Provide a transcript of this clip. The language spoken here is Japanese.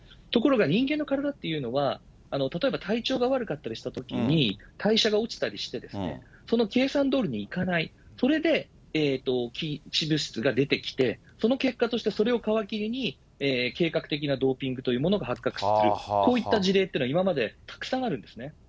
ところが人間の体っていうのは、例えば体調が悪かったりしたときに、代謝が落ちたりしてですね、その計算どおりにいかない、それで禁止物質が出てきて、その結果としてそれを皮切りに、計画的なドーピングというものが発覚する、こういった事例というのが今までたくさんあるんですね。